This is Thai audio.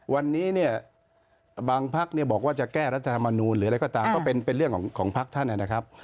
วันนี้เนี่ยบางพักเนี่ยบอกว่าจะแก้รัฐธรรมนูลหรืออะไรก็ตามก็เป็นเรื่องของพักท่านนะครับ